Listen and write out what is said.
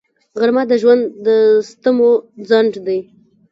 غرمه د ژوند د ستمو ځنډ دی